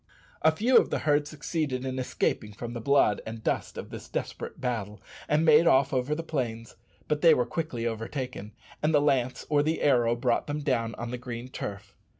A few of the herd succeeded in escaping from the blood and dust of this desperate battle, and made off over the plains; but they were quickly overtaken, and the lance or the arrow brought them down on the green turf.